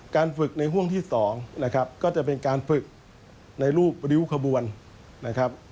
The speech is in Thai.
การฝึกในห่วงที่๒ก็จะเป็นการฝึกในรูปริ้วขบวน